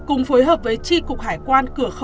cùng phối hợp với tri cục hải quan công an tp hcm